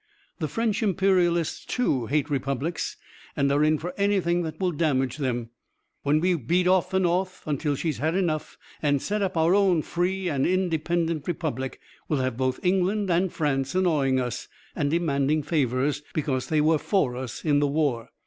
The French Imperialists, too, hate republics, and are in for anything that will damage them. When we beat off the North, until she's had enough, and set up our own free and independent republic, we'll have both England and France annoying us, and demanding favors, because they were for us in the war.